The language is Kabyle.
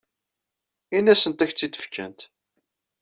Ini-asent ad ak-tt-id-fkent.